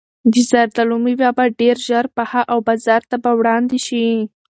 د زردالو مېوه به ډېر ژر پخه او بازار ته به وړاندې شي.